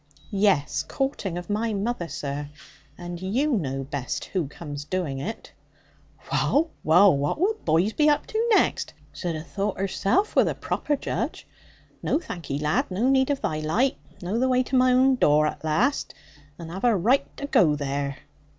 'Yes, courting of my mother, sir. And you know best who comes doing it.' 'Wull, wull! What will boys be up to next? Zhud a' thought herzelf wor the proper judge. No thank 'ee, lad, no need of thy light. Know the wai to my own door, at laste; and have a raight to goo there.'